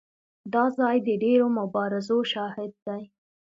دا ځای د ډېرو مبارزو شاهد دی.